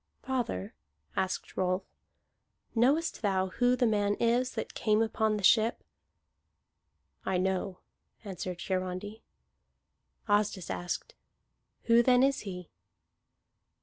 "Father," asked Rolf, "knowest thou who the man is that came upon the ship?" "I know," answered Hiarandi. Asdis asked: "Who then is he?"